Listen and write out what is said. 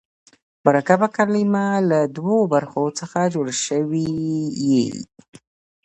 مرکبه کلمه له دوو برخو څخه جوړه سوې يي.